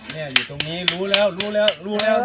มาหากมีูว่าแม่อยู่ตรงนี้